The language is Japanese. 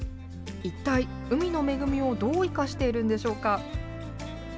一体、海の恵みをどう生かしているんでしょうか。